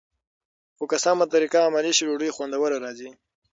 خو که سمه طریقه عملي شي، ډوډۍ خوندوره راځي.